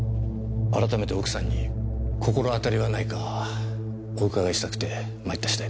改めて奥さんに心当たりはないかお伺いしたくて参った次第です。